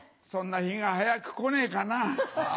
そんな日が早く来ねえかなぁ。